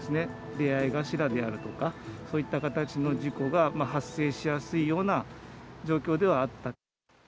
出合い頭であるとか、そういった形の事故が発生しやすいような状